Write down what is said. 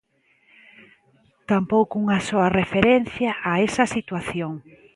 Tampouco unha soa referencia a esa situación.